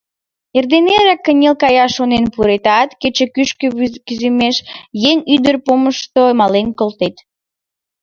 Эрден-эрак кынел каяш шонен пуретат, кече кӱшкӧ кӱзымеш еҥ ӱдыр помышто мален колтет.